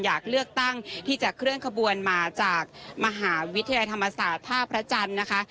อยากเลือกตั้งที่จะเคลื่อนขบวนมาจากมหาวิทยาลัยธรรมศาสตร์ท่าพระจันทร์นะคะ